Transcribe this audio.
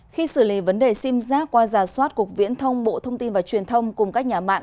khi xử lý vấn đề sim giác qua giả soát cục viễn thông bộ thông tin và truyền thông cùng các nhà mạng